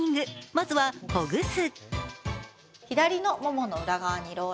まずは、ほぐす。